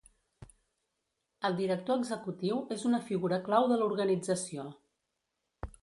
El director executiu és una figura clau de l'organització.